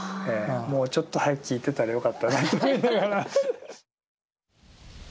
もうちょっと早く聞いてたらよかったなと思いながら。